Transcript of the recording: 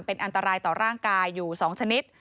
เป็นอันตรายต่อร่างกายอยู่๒ชนิด